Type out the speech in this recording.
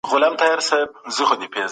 د بشري حقونو په اړه نړیوال قوانین پلي کیږي.